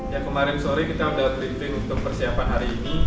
ya kemarin sore kita sudah klip klip untuk persiapan hari ini